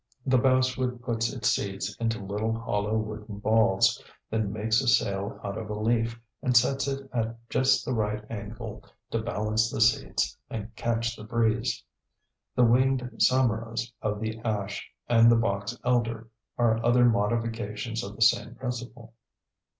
The basswood puts its seeds into little hollow wooden balls, then makes a sail out of a leaf and sets it at just the right angle to balance the seeds and catch the breeze. The winged samaras of the ash and the box elder are other modifications of the same principle.